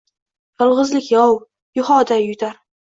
Yolgʼizlik yov, yuhoday yutar